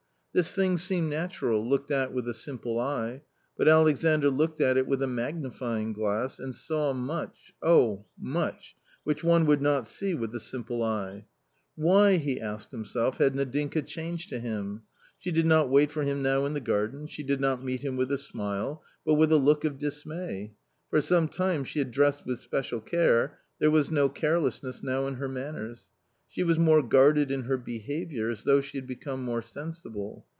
This thing seemed natural, looked at with a simple eye ; but Alexandr looked at it with a magnifying glass and saw much — oh ! much — which one would not see with the simple eye. " Why," he asked himself, " had Nadinka changed to him ?" She did not wait for him now in the garden, she did not meet him with a smilej but with a look of dismay. For some time she had dressed with special care, there was no carelessness now in her manners. She was more guarded in her behaviour, as though she had become more sensible.